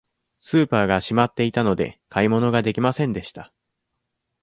スーパーが閉まっていたので、買い物ができませんでした。